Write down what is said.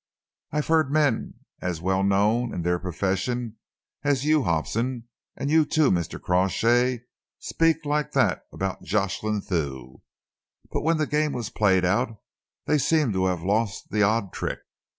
"I have heard men as well known in their profession as you, Hobson, and you too, Mr. Crawshay, speak like that about Jocelyn Thew, but when the game was played out they seem to have lost the odd trick.